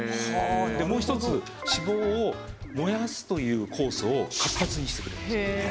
でもう１つ脂肪を燃やすという酵素を活発にしてくれるんです。